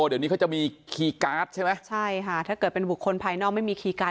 เดี๋ยวนี้เขาจะมีคีย์การ์ดใช่ไหมใช่ค่ะถ้าเกิดเป็นบุคคลภายนอกไม่มีคีย์การ์